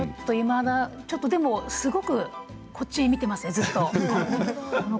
すごくこっちを見ていますよね、ずっと。